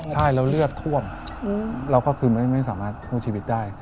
ใช่แล้วเลือดท่วมเราก็คือไม่สามารถสู้ชีวิตได้